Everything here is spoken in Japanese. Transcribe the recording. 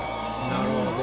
なるほど。